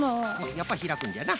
やっぱりひらくんじゃな。